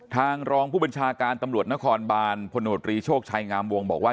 รองผู้บัญชาการตำรวจนครบานพลโนตรีโชคชัยงามวงบอกว่า